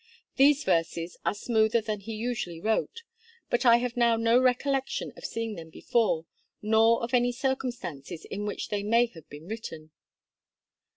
These verses are smoother than he usually wrote; but I have now no recollection of seeing them before, nor of any circumstances in which they may have been written.'